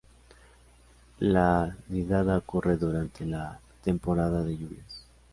La nidada ocurre durante la temporada de lluvias.